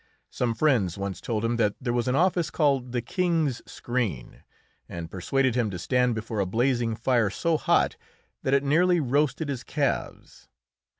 Some friends once told him that there was an office called the King's Screen, and persuaded him to stand before a blazing fire so hot that it nearly roasted his calves.